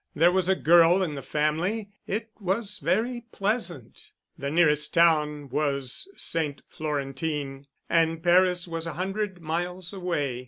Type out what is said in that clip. There was a girl in the family. It was very pleasant. The nearest town was St. Florentin, and Paris was a hundred miles away.